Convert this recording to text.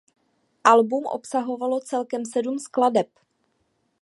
Album obsahuje celkem sedm skladeb.